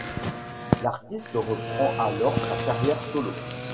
L'artiste reprend alors sa carrière solo.